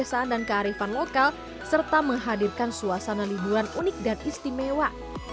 kesan dan kearifan lokal serta menghadirkan suasana liburan unik dan istimewa